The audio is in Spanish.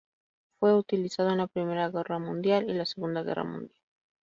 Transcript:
Fue utilizado en la Primera Guerra Mundial y la Segunda Guerra Mundial.